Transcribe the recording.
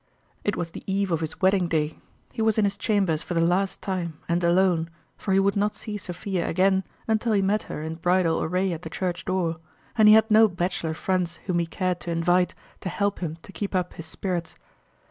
It was the eve of his wedding day ; he was in his chambers for the last time and alone, for he would not see Sophia again until he met her in bridal array at the church door, and he had no bachelor friends whom he cared to in vite to help him to keep up his spirits.